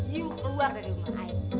iu keluar dari rumah ayah